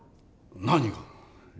何が？